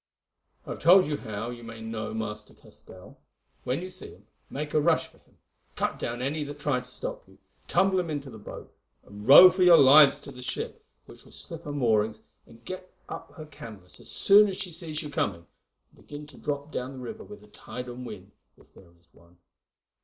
I have told you how you may know Master Castell. When you see him make a rush for him, cut down any that try to stop you, tumble him into the boat, and row for your lives to the ship, which will slip her moorings and get up her canvas as soon as she sees you coming, and begin to drop down the river with the tide and wind, if there is one.